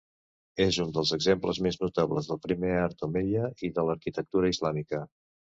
És un dels exemples més notables del primer art omeia i de l'arquitectura islàmica.